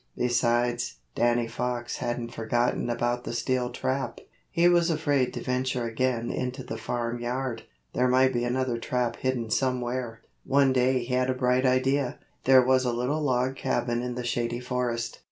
Besides, Danny Fox hadn't forgotten about the steel trap. He was afraid to venture again in the Farm Yard there might be another trap hidden somewhere. One day he had a bright idea. There was a little log cabin in the Shady Forest.